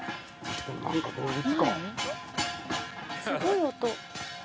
・すごい音。